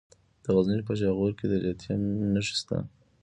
د غزني په جاغوري کې د لیتیم نښې شته.